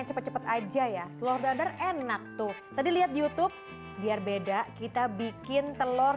cepet cepet aja ya telur dadar enak tuh tadi lihat di youtube biar beda kita bikin telur